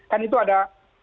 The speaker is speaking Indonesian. kan itu ada